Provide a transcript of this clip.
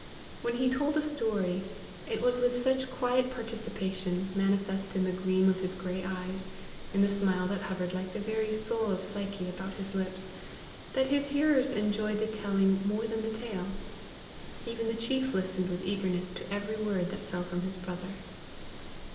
When he told a story, it was with such quiet participation, manifest in the gleam of his gray eyes, in the smile that hovered like the very soul of Psyche about his lips, that his hearers enjoyed the telling more than the tale. Even the chief listened with eagerness to every word that fell from his brother.